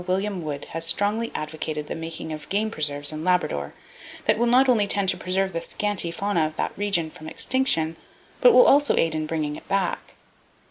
William Wood has strongly advocated the making of game preserves in Labrador, that will not only tend to preserve the scanty fauna of that region from extinction but will also aid in bringing it back.